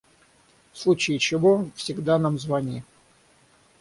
В случае чего всегда нам звони.